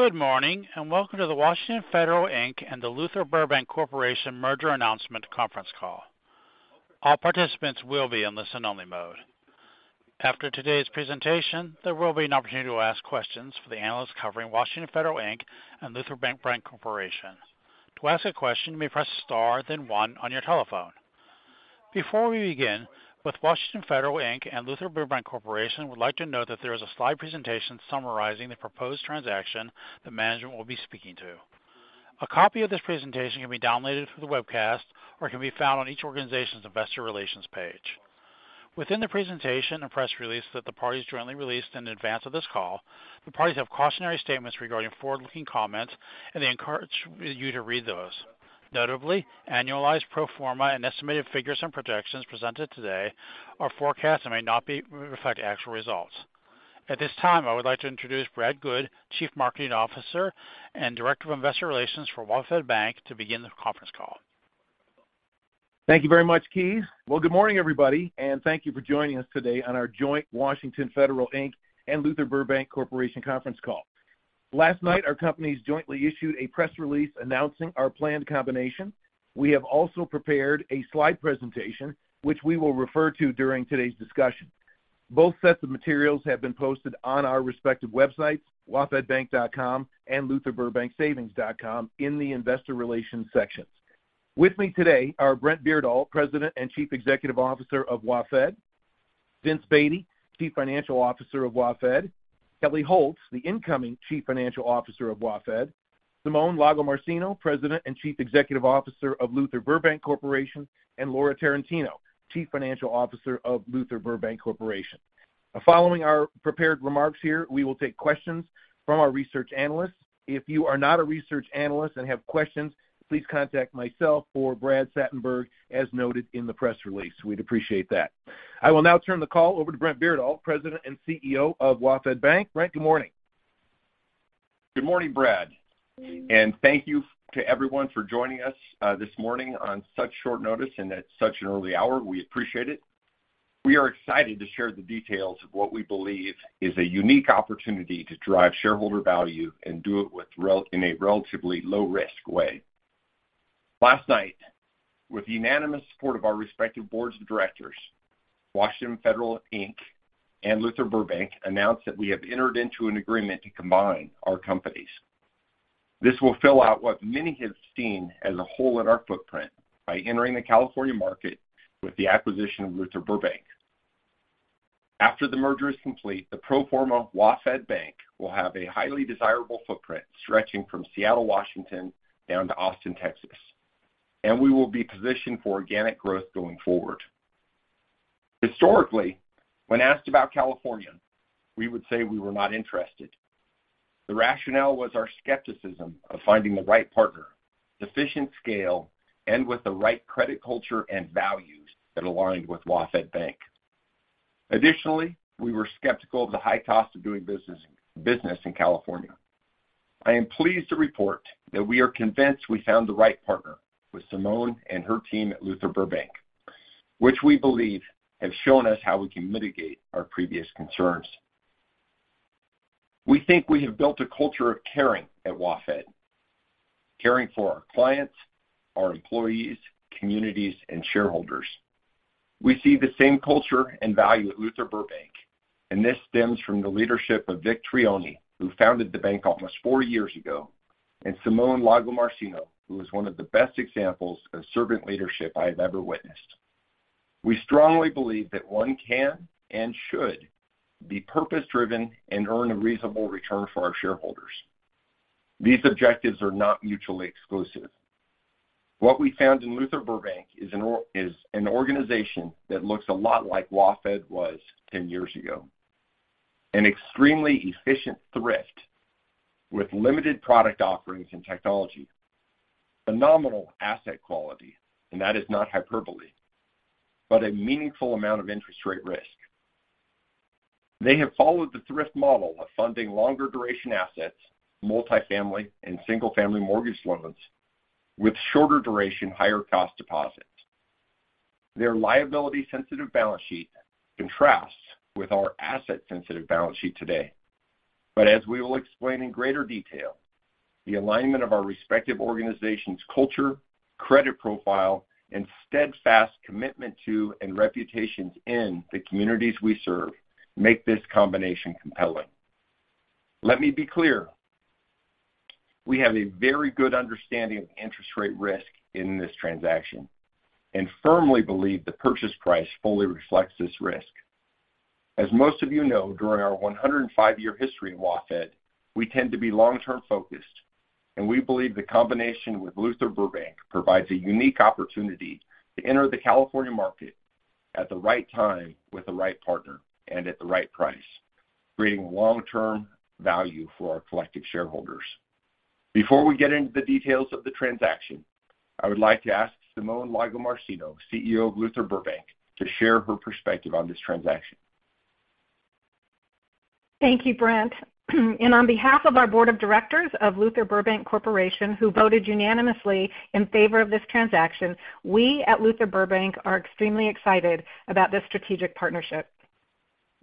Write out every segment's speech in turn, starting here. Good morning, and welcome to the WaFd, Inc. and the Luther Burbank Corporation Merger Announcement Conference Call. All participants will be in listen only mode. After today's presentation, there will be an opportunity to ask questions for the analysts covering WaFd, Inc. and Luther Burbank Corporation. To ask a question, you may press star, then one on your telephone. Before we begin, both WaFd, Inc. and Luther Burbank Corporation would like to note that there is a slide presentation summarizing the proposed transaction that management will be speaking to. A copy of this presentation can be downloaded through the webcast or can be found on each organization's investor relations page. Within the presentation and press release that the parties jointly released in advance of this call, the parties have cautionary statements regarding forward-looking comments, and they encourage you to read those. Notably, annualized pro forma and estimated figures and projections presented today are forecasts and may not reflect actual results. At this time, I would like to introduce Brad Goode, Chief Marketing Officer and Director of Investor Relations for WaFd Bank, to begin the conference call. Thank you very much, Keith. Well, good morning, everybody, and thank you for joining us today on our joint Washington Federal Inc. and Luther Burbank Corporation conference call. Last night, our companies jointly issued a press release announcing our planned combination. We have also prepared a slide presentation which we will refer to during today's discussion. Both sets of materials have been posted on our respective websites, wafdbank.com and lutherburbanksavings.com in the investor relations sections. With me today are Brent Beardall, President and Chief Executive Officer of WaFd, Vincent Beatty, Chief Financial Officer of WaFd, Kelli Holz, the incoming Chief Financial Officer of WaFd, Simone Lagomarsino, President and Chief Executive Officer of Luther Burbank Corporation, and Laura Tarantino, Chief Financial Officer of Luther Burbank Corporation. Following our prepared remarks here, we will take questions from our research analysts. If you are not a research analyst and have questions, please contact myself or Bradley Satenberg, as noted in the press release. We'd appreciate that. I will now turn the call over to Brent Beardall, President and CEO of WaFd Bank. Brent, good morning. Good morning, Brad, and thank you to everyone for joining us this morning on such short notice and at such an early hour. We appreciate it. We are excited to share the details of what we believe is a unique opportunity to drive shareholder value and do it in a relatively low-risk way. Last night, with the unanimous support of our respective boards of directors, WaFd, Inc. and Luther Burbank announced that we have entered into an agreement to combine our companies. This will fill out what many have seen as a hole in our footprint by entering the California market with the acquisition of Luther Burbank. After the merger is complete, the pro forma WaFd Bank will have a highly desirable footprint stretching from Seattle, Washington, down to Austin, Texas, and we will be positioned for organic growth going forward. Historically, when asked about California, we would say we were not interested. The rationale was our skepticism of finding the right partner, sufficient scale, and with the right credit culture and values that aligned with WaFd Bank. Additionally, we were skeptical of the high cost of doing business in California. I am pleased to report that we are convinced we found the right partner with Simone and her team at Luther Burbank, which we believe have shown us how we can mitigate our previous concerns. We think we have built a culture of caring at WaFd, caring for our clients, our employees, communities, and shareholders. We see the same culture and value at Luther Burbank, and this stems from the leadership of Victor Trione, who founded the bank almost four years ago, and Simone Lagomarsino, who is one of the best examples of servant leadership I have ever witnessed. We strongly believe that one can and should be purpose-driven and earn a reasonable return for our shareholders. These objectives are not mutually exclusive. What we found in Luther Burbank is an organization that looks a lot like WaFd was ten years ago. An extremely efficient thrift with limited product offerings and technology, phenomenal asset quality, and that is not hyperbole, but a meaningful amount of interest rate risk. They have followed the thrift model of funding longer duration assets, multifamily and single-family mortgage loans with shorter duration, higher cost deposits. Their liability-sensitive balance sheet contrasts with our asset-sensitive balance sheet today. As we will explain in greater detail, the alignment of our respective organizations' culture, credit profile, and steadfast commitment to and reputations in the communities we serve make this combination compelling. Let me be clear. We have a very good understanding of interest rate risk in this transaction and firmly believe the purchase price fully reflects this risk. As most of you know, during our 105-year history at WaFd, we tend to be long-term focused, and we believe the combination with Luther Burbank provides a unique opportunity to enter the California market at the right time with the right partner and at the right price, creating long-term value for our collective shareholders. Before we get into the details of the transaction, I would like to ask Simone Lagomarsino, CEO of Luther Burbank, to share her perspective on this transaction. Thank you, Brent. On behalf of our board of directors of Luther Burbank Corporation, who voted unanimously in favor of this transaction, we at Luther Burbank are extremely excited about this strategic partnership.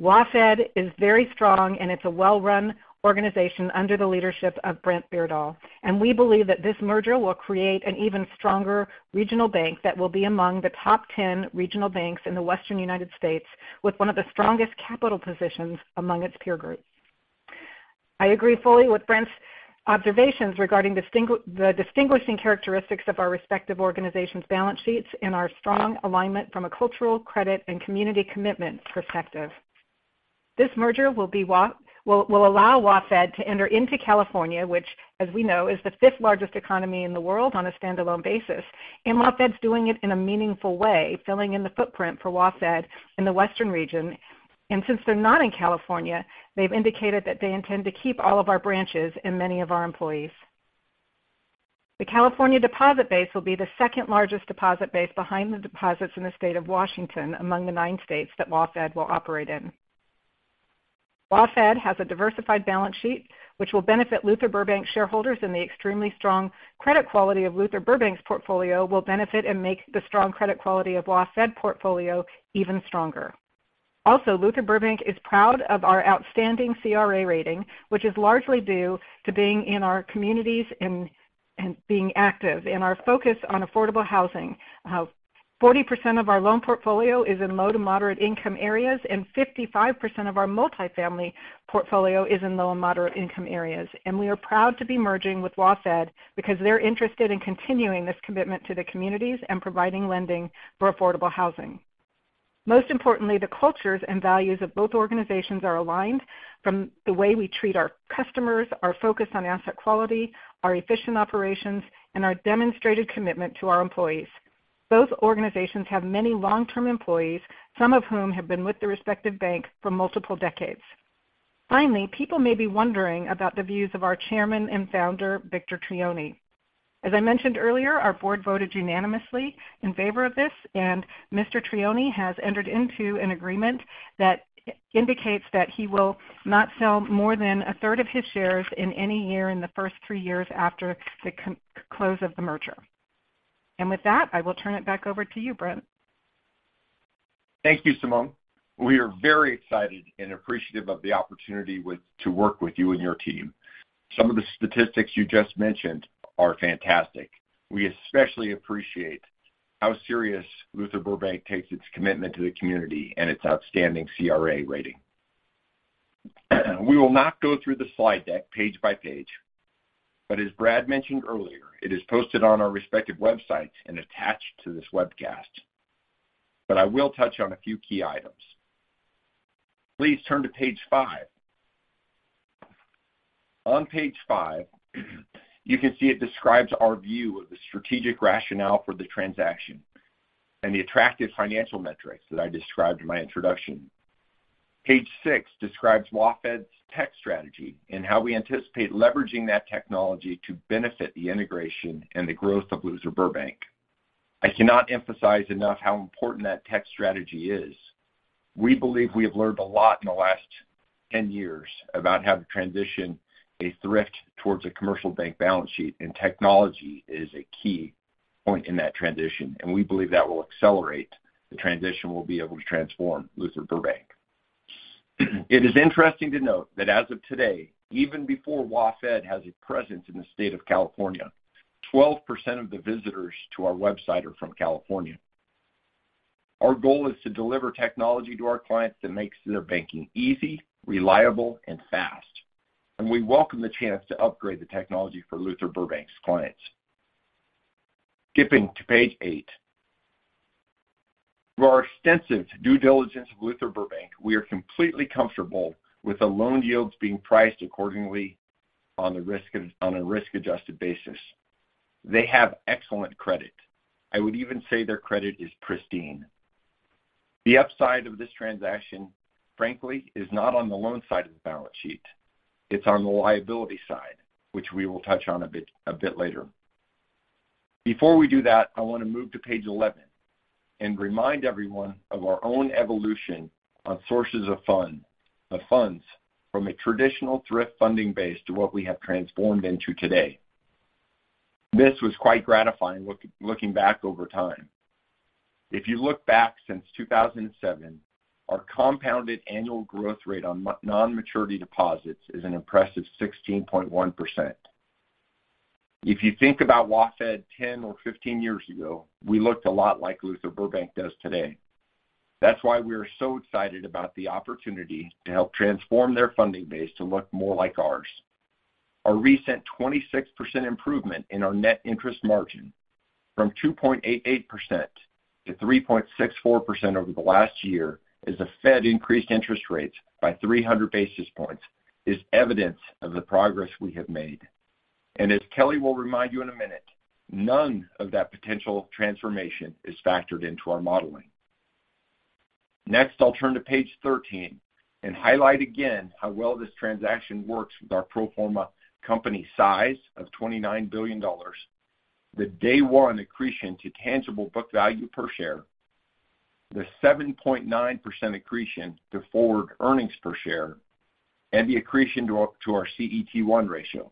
WaFd is very strong, and it's a well-run organization under the leadership of Brent Beardall. We believe that this merger will create an even stronger regional bank that will be among the top 10 regional banks in the Western United States, with one of the strongest capital positions among its peer group. I agree fully with Brent's observations regarding the distinguishing characteristics of our respective organization's balance sheets and our strong alignment from a cultural, credit, and community commitment perspective. This merger will allow WaFd to enter into California, which, as we know, is the fifth-largest economy in the world on a standalone basis. WaFd's doing it in a meaningful way, filling in the footprint for WaFd in the Western region. Since they're not in California, they've indicated that they intend to keep all of our branches and many of our employees. The California deposit base will be the second-largest deposit base behind the deposits in the state of Washington among the nine states that WaFd will operate in. WaFd has a diversified balance sheet, which will benefit Luther Burbank shareholders, and the extremely strong credit quality of Luther Burbank's portfolio will benefit and make the strong credit quality of WaFd portfolio even stronger. Also, Luther Burbank is proud of our outstanding CRA rating, which is largely due to being in our communities and being active and our focus on affordable housing. 40% of our loan portfolio is in low to moderate income areas, and 55% of our multifamily portfolio is in low and moderate income areas. We are proud to be merging with WaFd because they're interested in continuing this commitment to the communities and providing lending for affordable housing. Most importantly, the cultures and values of both organizations are aligned from the way we treat our customers, our focus on asset quality, our efficient operations, and our demonstrated commitment to our employees. Both organizations have many long-term employees, some of whom have been with the respective bank for multiple decades. Finally, people may be wondering about the views of our chairman and founder, Victor Trione. As I mentioned earlier, our board voted unanimously in favor of this, and Mr. Trione has entered into an agreement that indicates that he will not sell more than a third of his shares in any year in the first three years after the close of the merger. With that, I will turn it back over to you, Brent. Thank you, Simone. We are very excited and appreciative of the opportunity to work with you and your team. Some of the statistics you just mentioned are fantastic. We especially appreciate how serious Luther Burbank takes its commitment to the community and its outstanding CRA rating. We will not go through the slide deck page by page, but as Brad mentioned earlier, it is posted on our respective websites and attached to this webcast. I will touch on a few key items. Please turn to page five. On page five, you can see it describes our view of the strategic rationale for the transaction and the attractive financial metrics that I described in my introduction. Page 6 describes WaFd's tech strategy and how we anticipate leveraging that technology to benefit the integration and the growth of Luther Burbank. I cannot emphasize enough how important that tech strategy is. We believe we have learned a lot in the last 10 years about how to transition a thrift towards a commercial bank balance sheet, and technology is a key point in that transition, and we believe that will accelerate the transition we'll be able to transform Luther Burbank. It is interesting to note that as of today, even before WaFd has a presence in the state of California, 12% of the visitors to our website are from California. Our goal is to deliver technology to our clients that makes their banking easy, reliable, and fast, and we welcome the chance to upgrade the technology for Luther Burbank's clients. Skipping to page 8. Through our extensive due diligence of Luther Burbank, we are completely comfortable with the loan yields being priced accordingly on a risk-adjusted basis. They have excellent credit. I would even say their credit is pristine. The upside of this transaction, frankly, is not on the loan side of the balance sheet. It's on the liability side, which we will touch on a bit later. Before we do that, I wanna move to page 11 and remind everyone of our own evolution on sources of funds from a traditional thrift funding base to what we have transformed into today. This was quite gratifying looking back over time. If you look back since 2007, our compounded annual growth rate on non-maturity deposits is an impressive 16.1%. If you think about WaFd 10 or 15 years ago, we looked a lot like Luther Burbank does today. That's why we are so excited about the opportunity to help transform their funding base to look more like ours. Our recent 26% improvement in our net interest margin from 2.88% to 3.64% over the last year as the Fed increased interest rates by 300 basis points is evidence of the progress we have made. As Kelly will remind you in a minute, none of that potential transformation is factored into our modeling. Next, I'll turn to page 13 and highlight again how well this transaction works with our pro forma company size of $29 billion, the day one accretion to tangible book value per share, the 7.9% accretion to forward earnings per share, and the accretion to our CET1 ratio.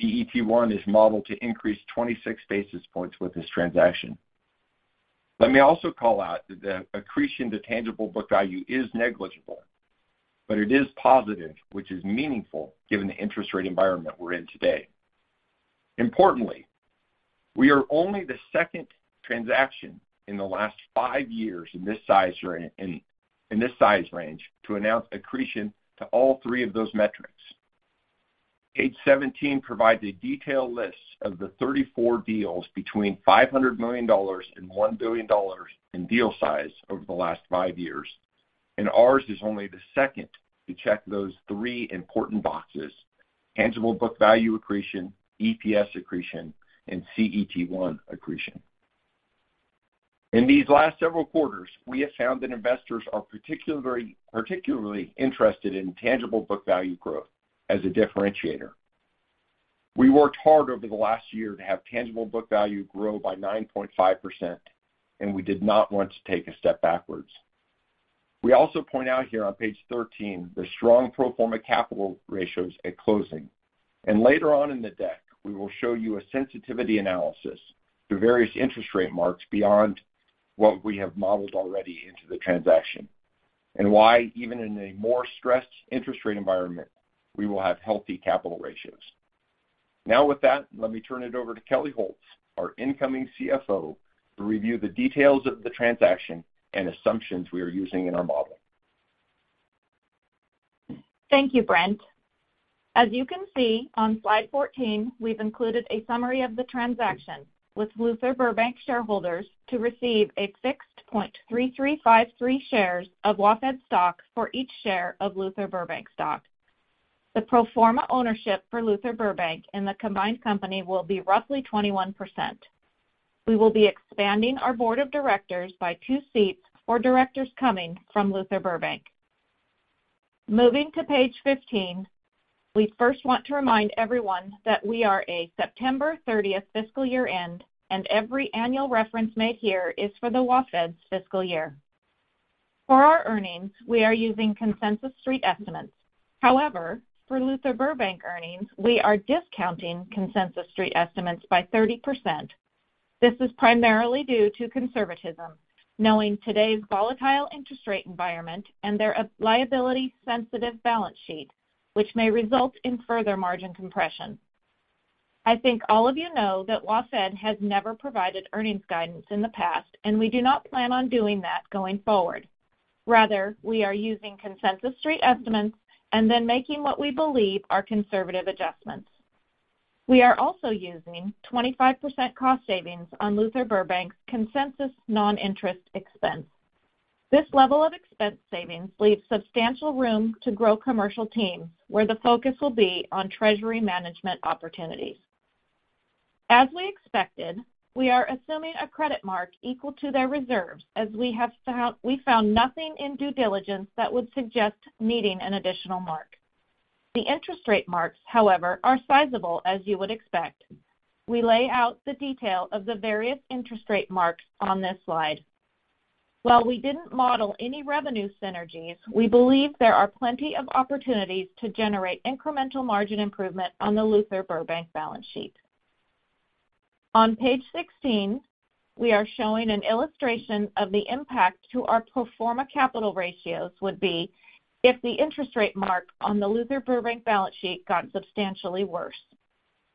CET1 is modeled to increase 26 basis points with this transaction. Let me also call out that the accretion to tangible book value is negligible, but it is positive, which is meaningful given the interest rate environment we're in today. Importantly, we are only the second transaction in the last five years in this size or in this size range to announce accretion to all three of those metrics. Page 17 provides a detailed list of the 34 deals between $500 million and $1 billion in deal size over the last five years, and ours is only the second to check those three important boxes. Tangible book value accretion, EPS accretion, and CET1 accretion. In these last several quarters, we have found that investors are particularly interested in tangible book value growth as a differentiator. We worked hard over the last year to have tangible book value grow by 9.5%, and we did not want to take a step backwards. We also point out here on page 13 the strong pro forma capital ratios at closing. Later on in the deck, we will show you a sensitivity analysis to various interest rate marks beyond what we have modeled already into the transaction and why even in a more stressed interest rate environment, we will have healthy capital ratios. Now with that, let me turn it over to Kelli Holz, our incoming CFO, to review the details of the transaction and assumptions we are using in our model. Thank you, Brent. As you can see on slide 14, we've included a summary of the transaction with Luther Burbank shareholders to receive a fixed 0.3353 shares of WaFd stock for each share of Luther Burbank stock. The pro forma ownership for Luther Burbank in the combined company will be roughly 21%. We will be expanding our board of directors by two seats for directors coming from Luther Burbank. Moving to page 15, we first want to remind everyone that we are a September 30th fiscal year end, and every annual reference made here is for the WaFd's fiscal year. For our earnings, we are using consensus street estimates. However, for Luther Burbank earnings, we are discounting consensus street estimates by 30%. This is primarily due to conservatism, knowing today's volatile interest rate environment and their liability sensitive balance sheet, which may result in further margin compression. I think all of you know that WaFd has never provided earnings guidance in the past, and we do not plan on doing that going forward. Rather, we are using consensus street estimates and then making what we believe are conservative adjustments. We are also using 25% cost savings on Luther Burbank's consensus non-interest expense. This level of expense savings leaves substantial room to grow commercial teams where the focus will be on treasury management opportunities. As we expected, we are assuming a credit mark equal to their reserves as we found nothing in due diligence that would suggest needing an additional mark. The interest rate marks, however, are sizable as you would expect. We lay out the detail of the various interest rate marks on this slide. While we didn't model any revenue synergies, we believe there are plenty of opportunities to generate incremental margin improvement on the Luther Burbank balance sheet. On page 16, we are showing an illustration of the impact to our pro forma capital ratios would be if the interest rate mark on the Luther Burbank balance sheet got substantially worse.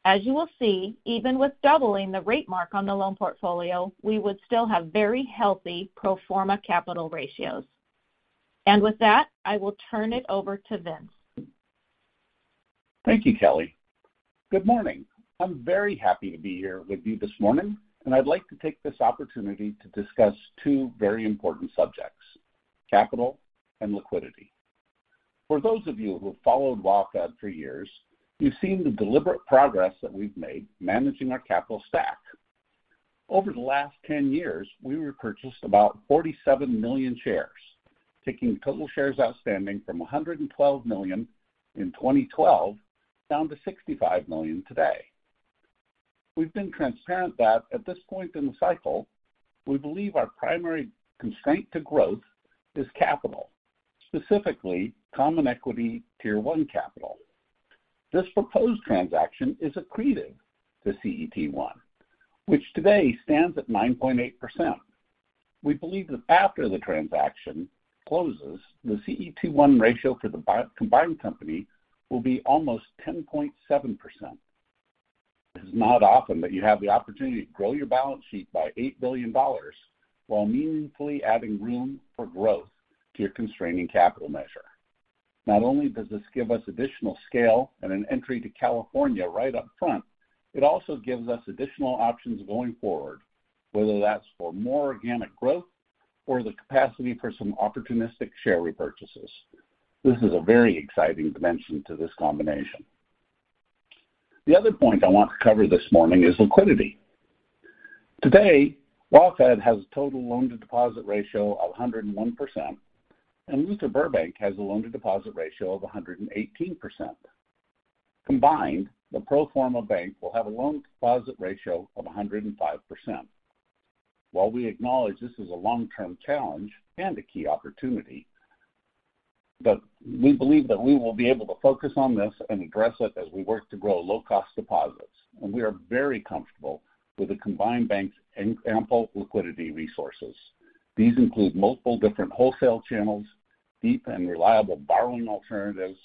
As you will see, even with doubling the rate mark on the loan portfolio, we would still have very healthy pro forma capital ratios. With that, I will turn it over to Vince. Thank you, Kelli. Good morning. I'm very happy to be here with you this morning, and I'd like to take this opportunity to discuss two very important subjects, capital and liquidity. For those of you who have followed WaFd for years, you've seen the deliberate progress that we've made managing our capital stack. Over the last 10 years, we repurchased about 47 million shares, taking total shares outstanding from 112 million in 2012 down to 65 million today. We've been transparent that at this point in the cycle, we believe our primary constraint to growth is capital, specifically common equity tier one capital. This proposed transaction is accreting to CET1, which today stands at 9.8%. We believe that after the transaction closes, the CET1 ratio for the combined company will be almost 10.7%. It is not often that you have the opportunity to grow your balance sheet by $8 billion while meaningfully adding room for growth to your constraining capital measure. Not only does this give us additional scale and an entry to California right up front, it also gives us additional options going forward, whether that's for more organic growth or the capacity for some opportunistic share repurchases. This is a very exciting dimension to this combination. The other point I want to cover this morning is liquidity. Today, WaFd has a total loan-to-deposit ratio of 101%, and Luther Burbank has a loan-to-deposit ratio of 118%. Combined, the pro forma bank will have a loan-to-deposit ratio of 105%. While we acknowledge this is a long-term challenge and a key opportunity. We believe that we will be able to focus on this and address it as we work to grow low-cost deposits. We are very comfortable with the combined bank's ample liquidity resources. These include multiple different wholesale channels, deep and reliable borrowing alternatives,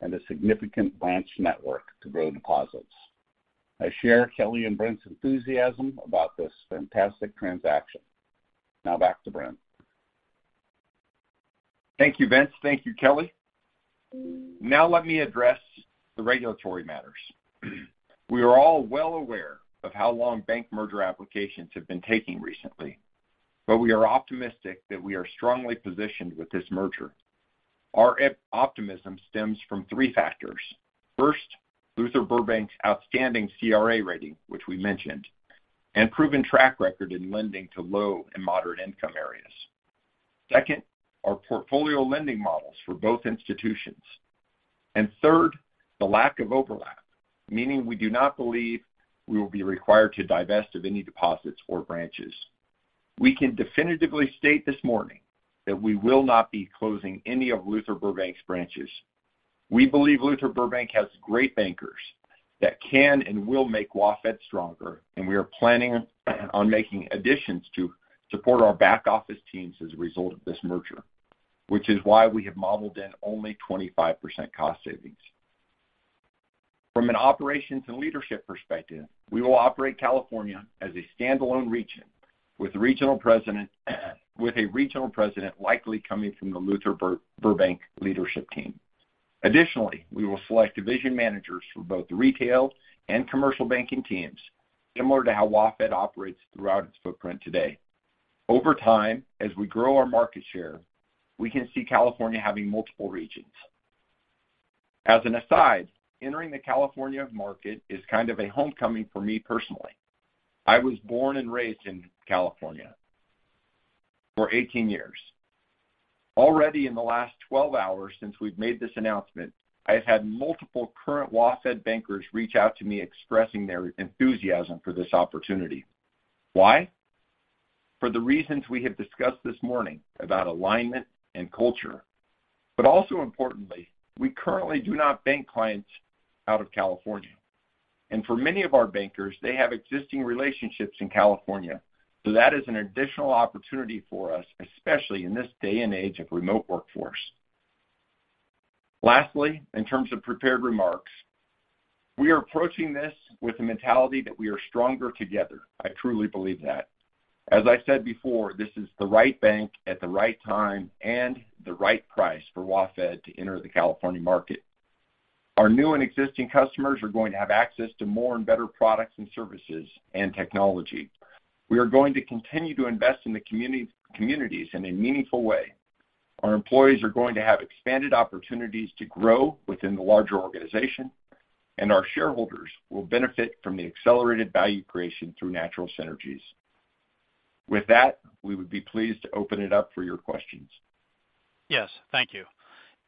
and a significant branch network to grow deposits. I share Kelli and Brent's enthusiasm about this fantastic transaction. Now back to Brent. Thank you, Vince. Thank you, Kelli. Now let me address the regulatory matters. We are all well aware of how long bank merger applications have been taking recently, but we are optimistic that we are strongly positioned with this merger. Our optimism stems from three factors. First, Luther Burbank's outstanding CRA rating, which we mentioned, and proven track record in lending to low and moderate income areas. Second, our portfolio lending models for both institutions. Third, the lack of overlap, meaning we do not believe we will be required to divest of any deposits or branches. We can definitively state this morning that we will not be closing any of Luther Burbank's branches. We believe Luther Burbank has great bankers that can and will make WaFd stronger, and we are planning on making additions to support our back-office teams as a result of this merger, which is why we have modeled in only 25% cost savings. From an operations and leadership perspective, we will operate California as a standalone region with a regional president likely coming from the Luther Burbank leadership team. Additionally, we will select division managers for both the retail and commercial banking teams, similar to how WaFd operates throughout its footprint today. Over time, as we grow our market share, we can see California having multiple regions. As an aside, entering the California market is kind of a homecoming for me personally. I was born and raised in California for 18 years. Already in the last 12 hours since we've made this announcement, I have had multiple current WaFd bankers reach out to me expressing their enthusiasm for this opportunity. Why? For the reasons we have discussed this morning about alignment and culture. Also importantly, we currently do not bank clients out of California. For many of our bankers, they have existing relationships in California. That is an additional opportunity for us, especially in this day and age of remote workforce. Lastly, in terms of prepared remarks, we are approaching this with the mentality that we are stronger together. I truly believe that. As I said before, this is the right bank at the right time and the right price for WaFd to enter the California market. Our new and existing customers are going to have access to more and better products and services and technology. We are going to continue to invest in the communities in a meaningful way. Our employees are going to have expanded opportunities to grow within the larger organization, and our shareholders will benefit from the accelerated value creation through natural synergies. With that, we would be pleased to open it up for your questions. Yes, thank you.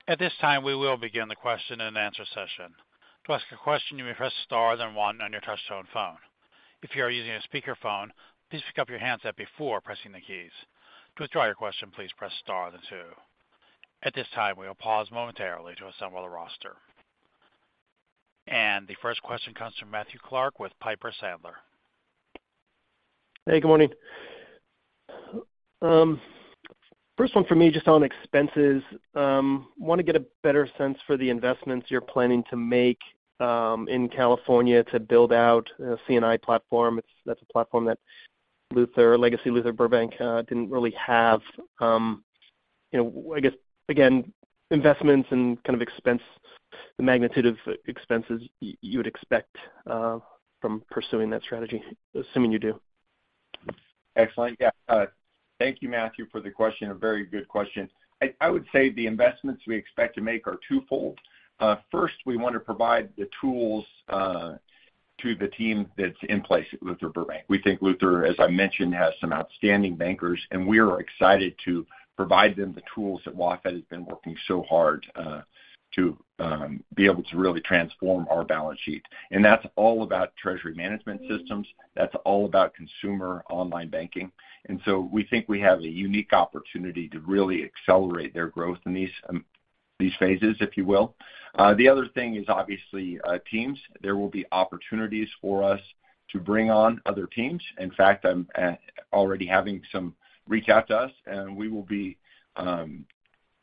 At this time, we will begin the question and answer session. To ask a question, you may press star, then one on your touchtone phone. If you are using a speakerphone, please pick up your handset before pressing the keys. To withdraw your question, please press star then two. At this time, we will pause momentarily to assemble the roster. The first question comes from Matthew Clark with Piper Sandler. Hey, good morning. First one for me, just on expenses. Want to get a better sense for the investments you're planning to make in California to build out a C&I platform. That's a platform that Luther, legacy Luther Burbank, didn't really have. You know, I guess, again, investments and kind of expense, the magnitude of expenses you would expect from pursuing that strategy, assuming you do. Excellent. Yeah. Thank you, Matthew, for the question. A very good question. I would say the investments we expect to make are twofold. First, we want to provide the tools to the team that's in place at Luther Burbank. We think Luther, as I mentioned, has some outstanding bankers, and we are excited to provide them the tools that WaFd has been working so hard to be able to really transform our balance sheet. That's all about treasury management systems. That's all about consumer online banking. We think we have a unique opportunity to really accelerate their growth in these phases, if you will. The other thing is obviously teams. There will be opportunities for us to bring on other teams. In fact, I'm already having some reach out to us, and we will be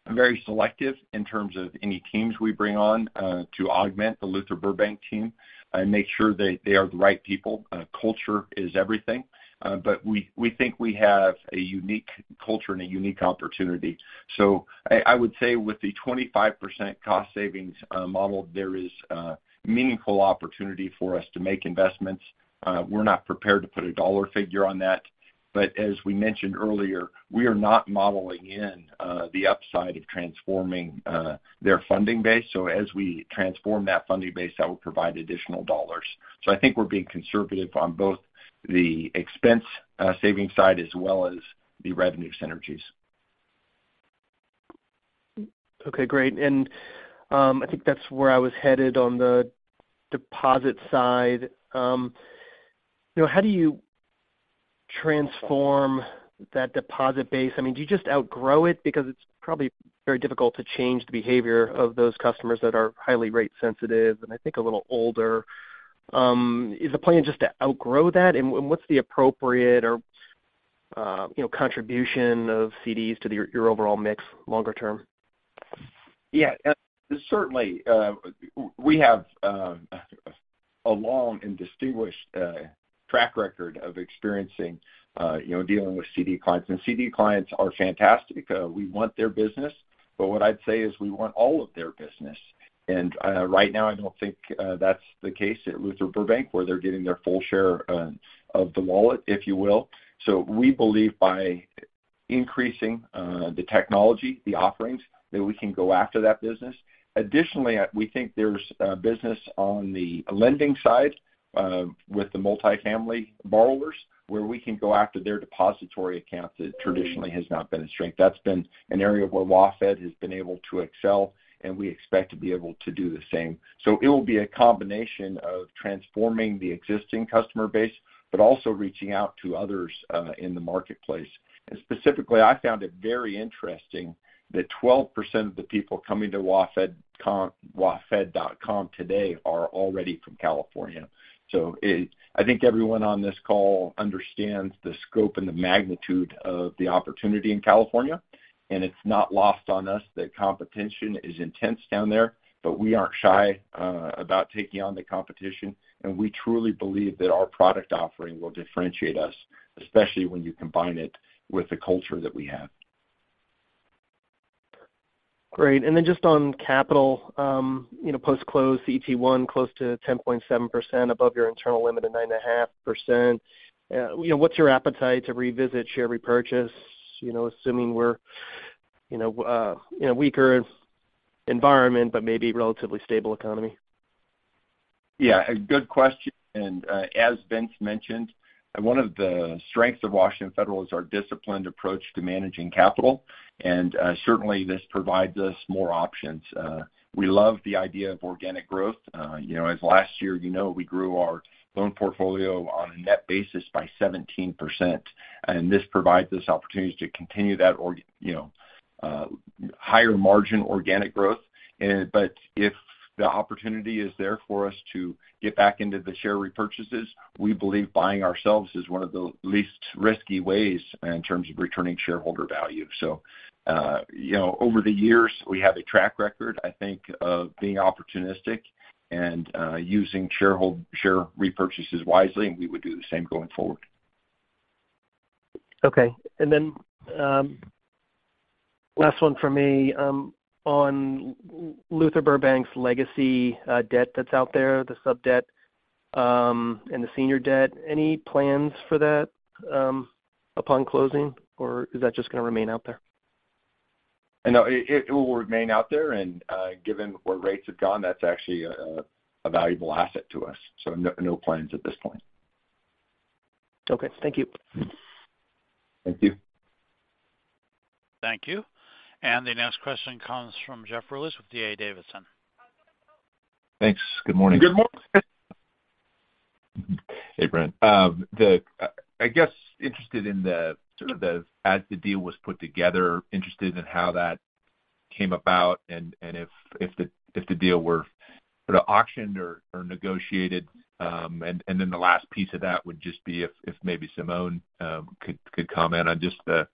very selective in terms of any teams we bring on to augment the Luther Burbank team and make sure they are the right people. Culture is everything. We think we have a unique culture and a unique opportunity. I would say with the 25% cost savings model, there is a meaningful opportunity for us to make investments. We're not prepared to put a dollar figure on that. As we mentioned earlier, we are not modeling in the upside of transforming their funding base. As we transform that funding base, that will provide additional dollars. I think we're being conservative on both the expense savings side as well as the revenue synergies. Okay, great. I think that's where I was headed on the deposit side. You know, how do you transform that deposit base. I mean, do you just outgrow it? Because it's probably very difficult to change the behavior of those customers that are highly rate sensitive and I think a little older. Is the plan just to outgrow that? And what's the appropriate or, you know, contribution of CDs to your overall mix longer term? Yeah. Certainly, we have a long and distinguished track record of experiencing, you know, dealing with CD clients. CD clients are fantastic. We want their business. What I'd say is we want all of their business. Right now, I don't think that's the case at Luther Burbank, where they're getting their full share of the wallet, if you will. We believe by increasing the technology, the offerings, that we can go after that business. Additionally, we think there's business on the lending side with the multifamily borrowers where we can go after their depository accounts that traditionally has not been a strength. That's been an area where WaFd has been able to excel, and we expect to be able to do the same. It will be a combination of transforming the existing customer base, but also reaching out to others, in the marketplace. Specifically, I found it very interesting that 12% of the people coming to wafdbank.com today are already from California. I think everyone on this call understands the scope and the magnitude of the opportunity in California, and it's not lost on us that competition is intense down there. We aren't shy about taking on the competition, and we truly believe that our product offering will differentiate us, especially when you combine it with the culture that we have. Great. Just on capital, you know, post-close CET1 close to 10.7% above your internal limit of 9.5%. You know, what's your appetite to revisit share repurchase? You know, assuming we're, you know, weaker environment, but maybe relatively stable economy. Yeah, a good question. As Vince mentioned, one of the strengths of Washington Federal is our disciplined approach to managing capital. Certainly this provides us more options. We love the idea of organic growth. You know, as last year, you know, we grew our loan portfolio on a net basis by 17%, and this provides us opportunities to continue that you know, higher margin organic growth. If the opportunity is there for us to get back into the share repurchases, we believe buying ourselves is one of the least risky ways in terms of returning shareholder value. You know, over the years, we have a track record, I think, of being opportunistic and using share repurchases wisely, and we would do the same going forward. Okay. Last one for me. On Luther Burbank's legacy debt that's out there, the sub-debt and the senior debt, any plans for that upon closing? Or is that just gonna remain out there? No, it will remain out there. Given where rates have gone, that's actually a valuable asset to us, so no plans at this point. Okay. Thank you. Thank you. Thank you. The next question comes from Jeff Rulis with D.A. Davidson. Thanks. Good morning. Good morning. Hey, Brent. I guess interested in the sort of, as the deal was put together, interested in how that came about and if the deal were sort of auctioned or negotiated. Then the last piece of that would just be if maybe Simone could comment on just the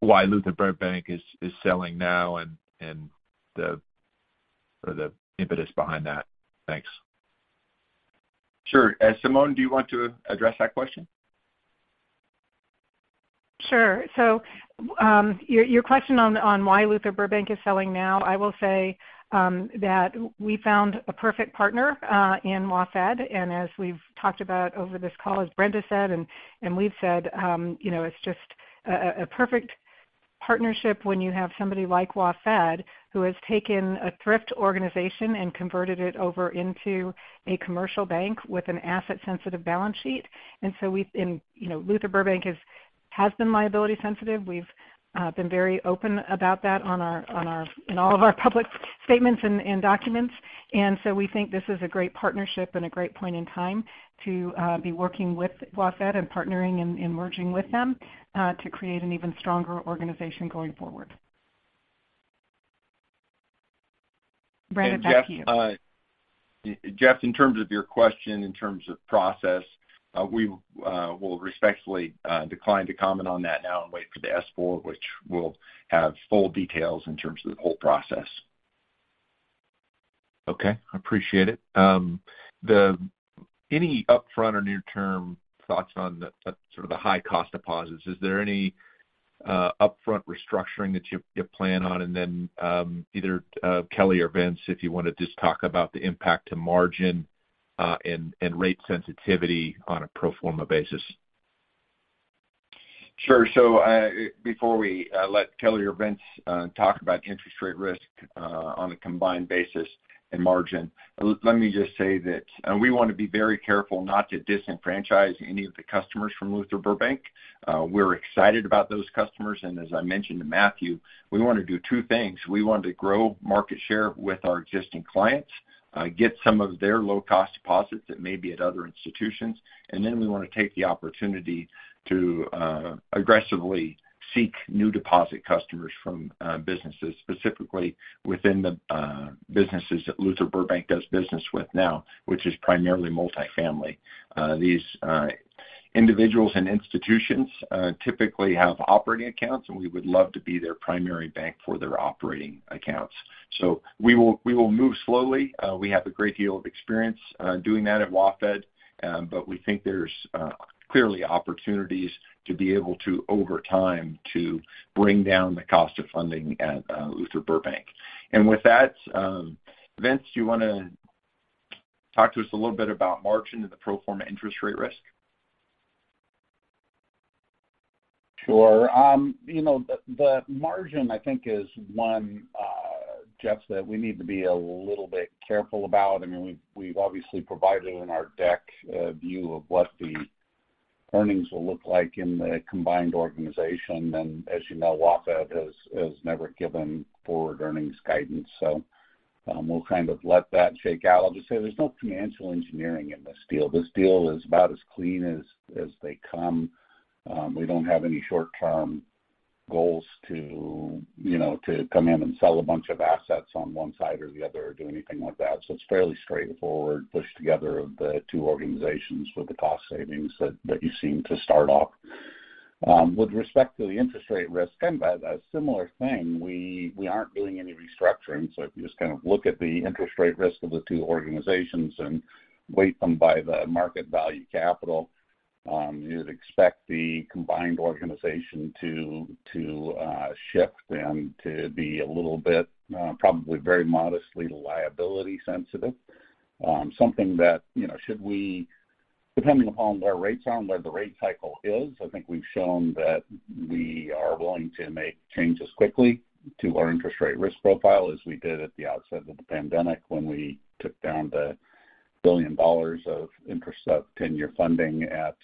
why Luther Burbank is selling now and the sort of impetus behind that. Thanks. Sure. Simone, do you want to address that question? Sure. Your question on why Luther Burbank is selling now, I will say that we found a perfect partner in WaFd. As we've talked about over this call, as Brent has said and we've said, you know, it's just a perfect partnership when you have somebody like WaFd, who has taken a thrift organization and converted it over into a commercial bank with an asset-sensitive balance sheet. We've been, you know, Luther Burbank has been liability sensitive. We've been very open about that on our in all of our public statements and documents. We think this is a great partnership and a great point in time to be working with WaFd and partnering and merging with them to create an even stronger organization going forward. Brent, back to you. Jeff, in terms of your question, in terms of process, we will respectfully decline to comment on that now and wait for the S-4, which will have full details in terms of the whole process. Okay. I appreciate it. Any upfront or near-term thoughts on the, sort of the high cost deposits? Is there any upfront restructuring that you plan on? Either Kelli or Vince, if you wanna just talk about the impact to margin and rate sensitivity on a pro forma basis. Sure. Before we let Kelli or Vince talk about interest rate risk on a combined basis and margin, let me just say that we want to be very careful not to disenfranchise any of the customers from Luther Burbank. We're excited about those customers. As I mentioned to Matthew, we want to do two things. We want to grow market share with our existing clients, get some of their low-cost deposits that may be at other institutions. We want to take the opportunity to aggressively seek new deposit customers from businesses, specifically within the businesses that Luther Burbank does business with now, which is primarily multifamily. These individuals and institutions typically have operating accounts, and we would love to be their primary bank for their operating accounts. We will move slowly. We have a great deal of experience doing that at WaFd. We think there's clearly opportunities to be able to, over time, to bring down the cost of funding at Luther Burbank. With that, Vince, do you wanna talk to us a little bit about margin and the pro forma interest rate risk? Sure. You know, the margin I think is one, Jeff, that we need to be a little bit careful about. I mean, we've obviously provided in our deck a view of what the earnings will look like in the combined organization. As you know, WaFd has never given forward earnings guidance. We'll kind of let that shake out. I'll just say there's no financial engineering in this deal. This deal is about as clean as they come. We don't have any short-term goals to, you know, to come in and sell a bunch of assets on one side or the other or do anything like that. It's fairly straightforward push together of the two organizations with the cost savings that you seem to start off. With respect to the interest rate risk, and by a similar thing, we aren't doing any restructuring. If you just kind of look at the interest rate risk of the two organizations and weight them by the market value capital, you'd expect the combined organization to shift and to be a little bit, probably very modestly liability sensitive. Something that, you know, depending upon where rates are and where the rate cycle is, I think we've shown that we are willing to make changes quickly to our interest rate risk profile as we did at the outset of the pandemic when we took down a $1 billion of 10-year funding at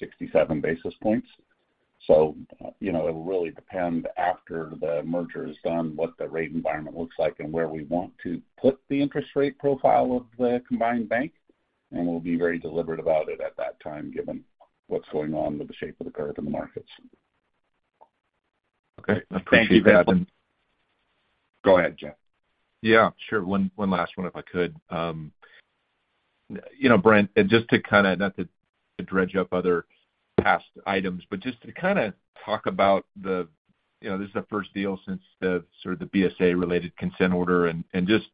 67 basis points. You know, it'll really depend after the merger is done, what the rate environment looks like and where we want to put the interest rate profile of the combined bank, and we'll be very deliberate about it at that time, given what's going on with the shape of the curve in the markets. Okay. Thank you, Vince. Go ahead, Jeff. Yeah, sure. One last one if I could. You know, Brent, just to kind of not dredge up other past items, but just to kind of talk about the, you know, this is the first deal since the sort of the BSA-related consent order and just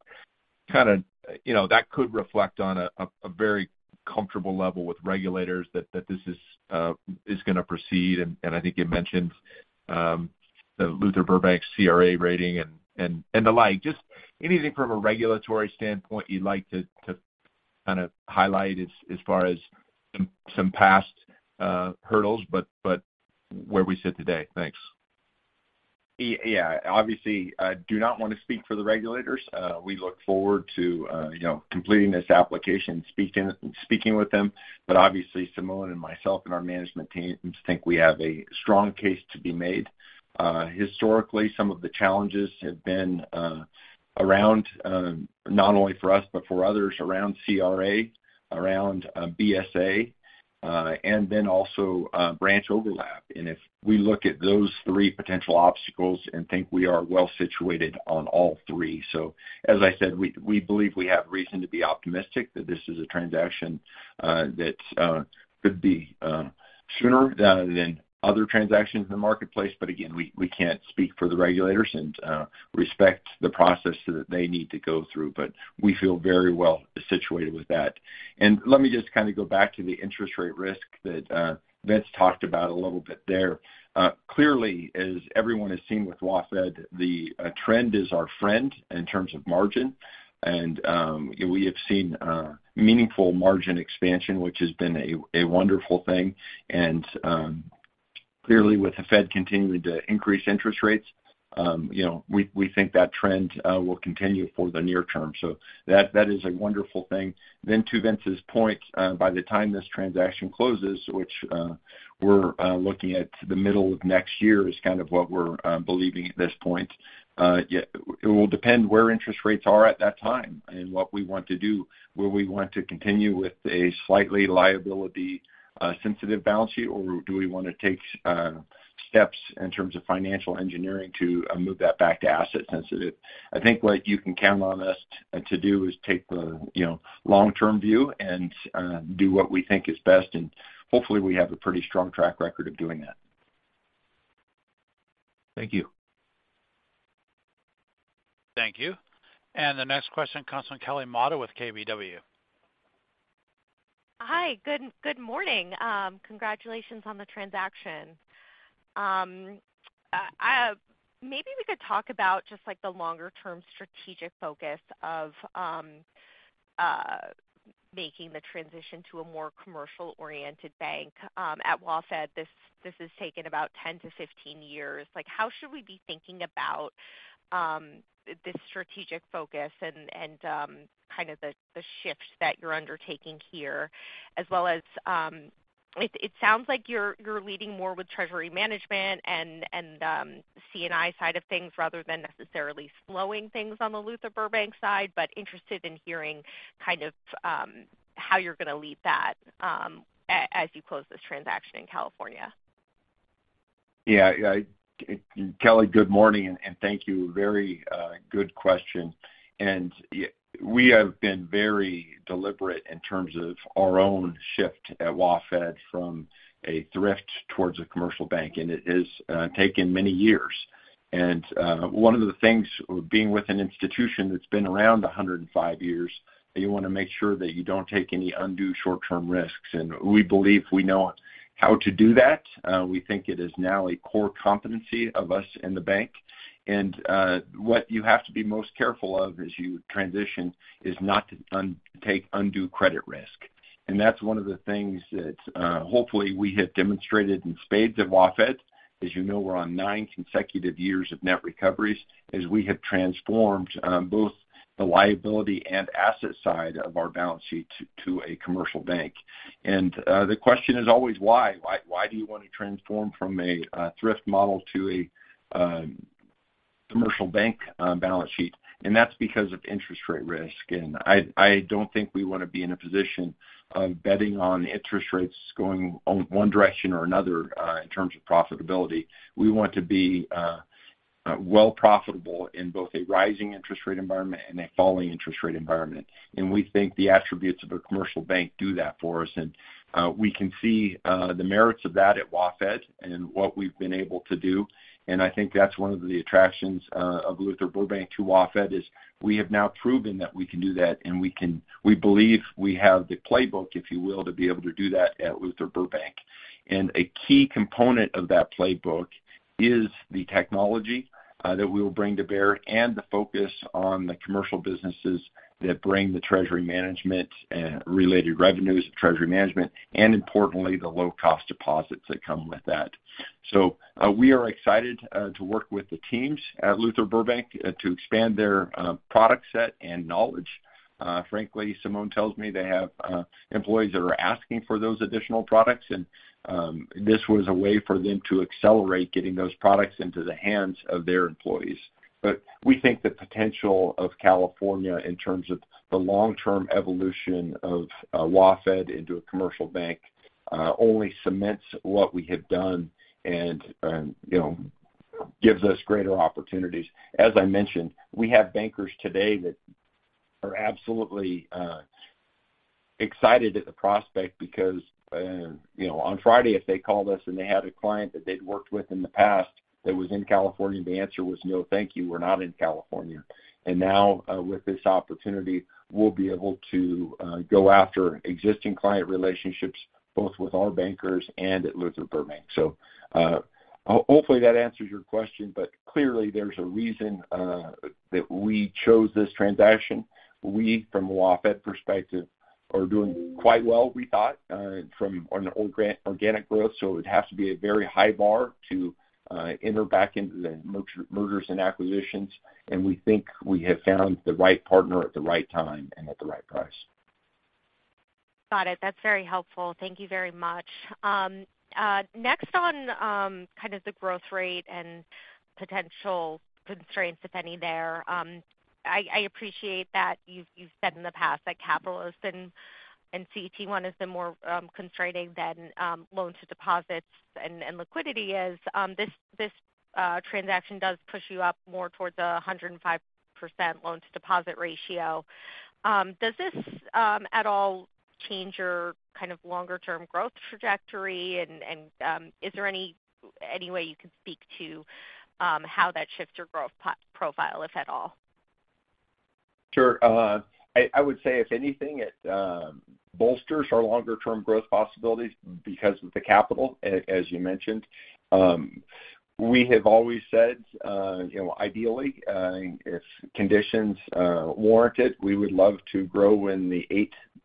kind of, you know, that could reflect on a very comfortable level with regulators that this is gonna proceed. I think you mentioned the Luther Burbank CRA rating and the like. Just anything from a regulatory standpoint you'd like to kind of highlight as far as some past hurdles, but where we sit today? Thanks. Yeah. Obviously, I do not want to speak for the regulators. We look forward to, you know, completing this application and speaking with them. Obviously, Simone and myself and our management teams think we have a strong case to be made. Historically, some of the challenges have been around not only for us, but for others around CRA, around BSA, and then also branch overlap. If we look at those three potential obstacles and think we are well situated on all three. As I said, we believe we have reason to be optimistic that this is a transaction that could be sooner than other transactions in the marketplace. Again, we can't speak for the regulators and respect the process that they need to go through. We feel very well situated with that. Let me just kind of go back to the interest rate risk that Vince talked about a little bit there. Clearly, as everyone has seen with WaFd, the trend is our friend in terms of margin. We have seen meaningful margin expansion, which has been a wonderful thing. Clearly, with the Fed continuing to increase interest rates, you know, we think that trend will continue for the near term. That is a wonderful thing. To Vince's point, by the time this transaction closes, which we're looking at the middle of next year is kind of what we're believing at this point. Yeah, it will depend where interest rates are at that time and what we want to do. Will we want to continue with a slightly liability sensitive balance sheet, or do we wanna take steps in terms of financial engineering to move that back to asset sensitive? I think what you can count on us to do is take the, you know, long-term view and do what we think is best. Hopefully, we have a pretty strong track record of doing that. Thank you. Thank you. The next question comes from Kelly Motta with KBW. Hi. Good morning. Congratulations on the transaction. Maybe we could talk about just like the longer-term strategic focus of making the transition to a more commercial-oriented bank. At WaFd, this has taken about 10-15 years. Like, how should we be thinking about this strategic focus and kind of the shift that you're undertaking here, as well as. It sounds like you're leading more with treasury management and C&I side of things rather than necessarily slowing things on the Luther Burbank side, but interested in hearing kind of how you're gonna lead that as you close this transaction in California. Yeah. Kelly, good morning, and thank you. Very good question. We have been very deliberate in terms of our own shift at WaFd from a thrift towards a commercial bank, and it has taken many years. One of the things being with an institution that's been around 105 years, you wanna make sure that you don't take any undue short-term risks. We believe we know how to do that. We think it is now a core competency of us in the bank. What you have to be most careful of as you transition is not to undertake undue credit risk. That's one of the things that hopefully we have demonstrated in spades at WaFd. As you know, we're on nine consecutive years of net recoveries as we have transformed both the liability and asset side of our balance sheet to a commercial bank. The question is always why. Why do you wanna transform from a thrift model to a commercial bank balance sheet? That's because of interest rate risk. I don't think we wanna be in a position of betting on interest rates going one direction or another in terms of profitability. We want to be well profitable in both a rising interest rate environment and a falling interest rate environment. We think the attributes of a commercial bank do that for us. We can see the merits of that at WaFd and what we've been able to do. I think that's one of the attractions of Luther Burbank to WaFd, is we have now proven that we can do that, we believe we have the playbook, if you will, to be able to do that at Luther Burbank. A key component of that playbook is the technology that we will bring to bear and the focus on the commercial businesses that bring the treasury management and related revenues of treasury management and importantly, the low-cost deposits that come with that. We are excited to work with the teams at Luther Burbank to expand their product set and knowledge. Frankly, Simone tells me they have employees that are asking for those additional products, and this was a way for them to accelerate getting those products into the hands of their employees. We think the potential of California in terms of the long-term evolution of WaFd into a commercial bank only cements what we have done and, you know, gives us greater opportunities. As I mentioned, we have bankers today that are absolutely excited at the prospect because, you know, on Friday if they called us and they had a client that they'd worked with in the past that was in California, the answer was, "No, thank you. We're not in California." And now, with this opportunity, we'll be able to go after existing client relationships both with our bankers and at Luther Burbank. Hopefully that answers your question, but clearly there's a reason that we chose this transaction. We, from a WaFd perspective, are doing quite well, we thought, from an organic growth, so it has to be a very high bar to enter back into the mergers and acquisitions. We think we have found the right partner at the right time and at the right price. Got it. That's very helpful. Thank you very much. Next on kind of the growth rate and potential constraints, if any, there. I appreciate that you've said in the past that capital has been and CET1 is the more constraining than loans to deposits and liquidity is. This transaction does push you up more towards the 105% loan-to-deposit ratio. Does this at all change your kind of longer-term growth trajectory? Is there any way you can speak to how that shifts your growth profile, if at all? Sure. I would say if anything, it bolsters our longer-term growth possibilities because of the capital, as you mentioned. We have always said, you know, ideally, if conditions warrant it, we would love to grow in the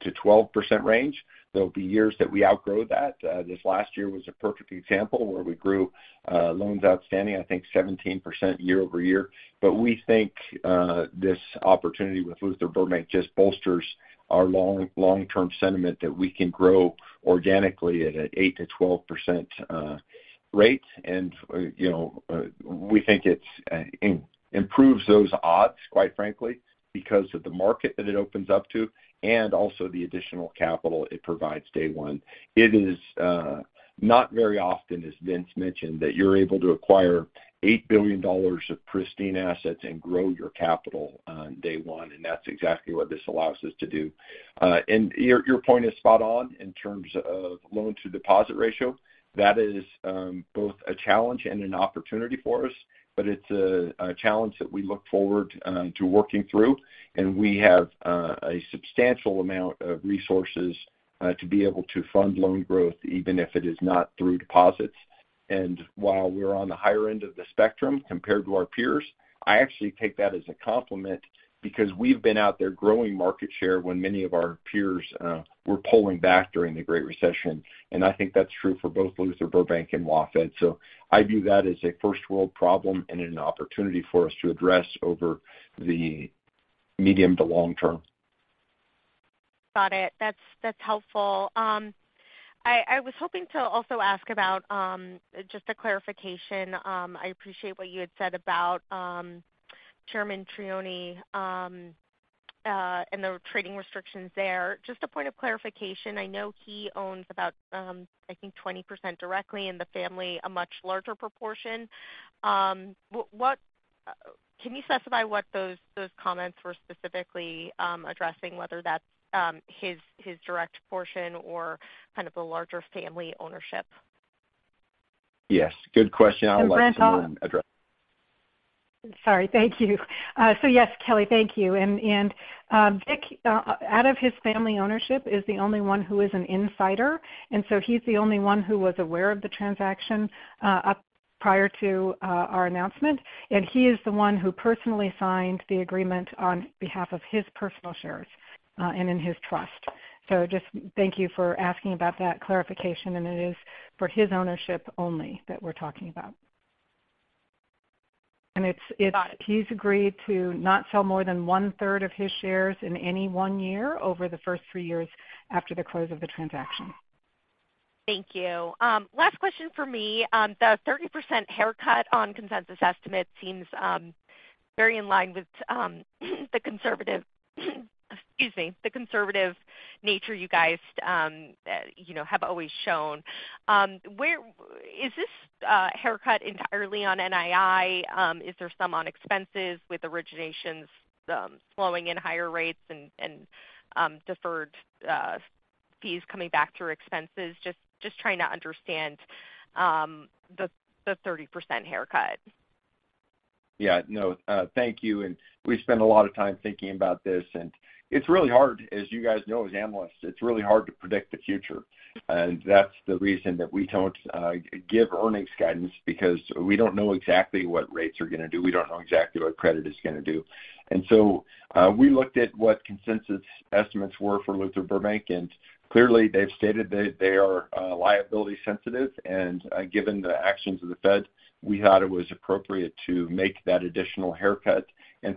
8%-12% range. There'll be years that we outgrow that. This last year was a perfect example where we grew loans outstanding, I think 17% year-over-year. But we think this opportunity with Luther Burbank just bolsters our long-term sentiment that we can grow organically at a 8%-12% rate. You know, we think it improves those odds, quite frankly, because of the market that it opens up to and also the additional capital it provides day one. It is not very often, as Vince mentioned, that you're able to acquire $8 billion of pristine assets and grow your capital on day one, and that's exactly what this allows us to do. Your point is spot on in terms of loan-to-deposit ratio. That is both a challenge and an opportunity for us, but it's a challenge that we look forward to working through. We have a substantial amount of resources to be able to fund loan growth, even if it is not through deposits. While we're on the higher end of the spectrum compared to our peers, I actually take that as a compliment because we've been out there growing market share when many of our peers were pulling back during the Great Recession. I think that's true for both Luther Burbank and WaFd. I view that as a first-world problem and an opportunity for us to address over the medium to long term. Got it. That's helpful. I was hoping to also ask about just a clarification. I appreciate what you had said about Chairman Trione and the trading restrictions there. Just a point of clarification. I know he owns about, I think, 20% directly, and the family a much larger proportion. Can you specify what those comments were specifically addressing? Whether that's his direct portion or kind of the larger family ownership? Yes, good question. Brent, I'll I would like Simone address. Sorry. Thank you. Yes, Kelly, thank you. Vic, out of his family ownership is the only one who is an insider, and he's the only one who was aware of the transaction prior to our announcement. He is the one who personally signed the agreement on behalf of his personal shares and in his trust. Just thank you for asking about that clarification, and it is for his ownership only that we're talking about. It's Got it. He's agreed to not sell more than one-third of his shares in any one year over the first three years after the close of the transaction. Thank you. Last question for me. The 30% haircut on consensus estimates seems very in line with the conservative nature you guys, you know, have always shown. Is this haircut entirely on NII? Is there some on expenses with originations slowing in higher rates and deferred fees coming back through expenses? Just trying to understand the 30% haircut. Yeah, no. Thank you. We spend a lot of time thinking about this, and it's really hard, as you guys know, as analysts, it's really hard to predict the future. That's the reason that we don't give earnings guidance because we don't know exactly what rates are gonna do. We don't know exactly what credit is gonna do. We looked at what consensus estimates were for Luther Burbank, and clearly, they've stated that they are liability sensitive. Given the actions of the Fed, we thought it was appropriate to make that additional haircut.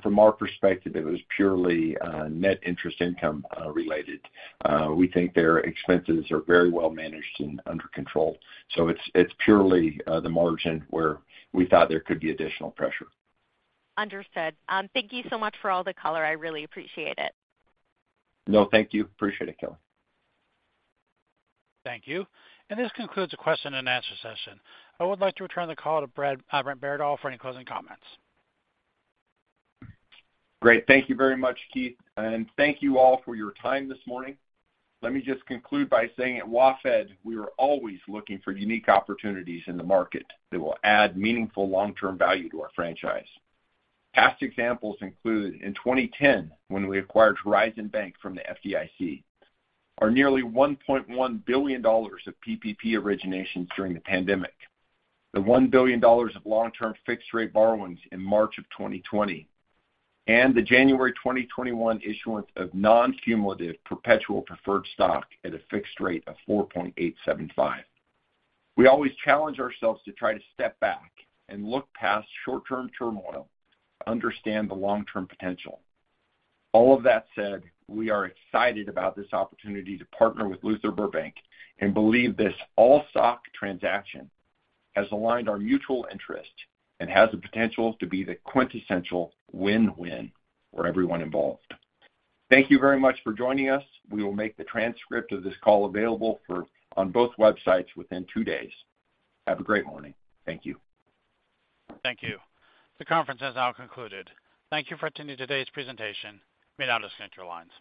From our perspective, it was purely net interest income related. We think their expenses are very well managed and under control. It's purely the margin where we thought there could be additional pressure. Understood. Thank you so much for all the color. I really appreciate it. No, thank you. Appreciate it, Kelly. Thank you. This concludes the question and answer session. I would like to return the call to Brent Beardall for any closing comments. Great. Thank you very much, Keith, and thank you all for your time this morning. Let me just conclude by saying at WaFd, we are always looking for unique opportunities in the market that will add meaningful long-term value to our franchise. Past examples include in 2010, when we acquired Horizon Bank from the FDIC, our nearly $1.1 billion of PPP originations during the pandemic, the $1 billion of long-term fixed rate borrowings in March of 2020, and the January 2021 issuance of non-cumulative perpetual preferred stock at a fixed rate of 4.875%. We always challenge ourselves to try to step back and look past short-term turmoil, understand the long-term potential. All of that said, we are excited about this opportunity to partner with Luther Burbank and believe this all stock transaction has aligned our mutual interest and has the potential to be the quintessential win-win for everyone involved. Thank you very much for joining us. We will make the transcript of this call available on both websites within two days. Have a great morning. Thank you. Thank you. The conference has now concluded. Thank you for attending today's presentation. You may now disconnect your lines.